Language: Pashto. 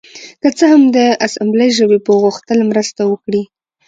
که څه هم د اسامبلۍ ژبې پوه غوښتل مرسته وکړي